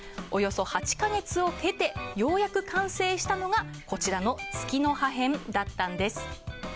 およそ８か月を経てようやく完成したのがこちらの月乃破片だったんです。